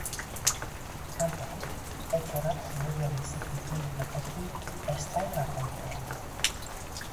Kanpotik, etxe bat leiho biziki handi batekin estai bakoitzean.